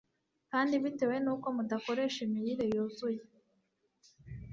kandi bitewe nuko mudakoresha imirire yuzuye